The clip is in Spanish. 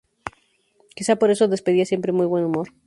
Quizá por eso despedía siempre muy buen humor.